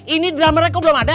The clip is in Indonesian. ini drummernya kok belum ada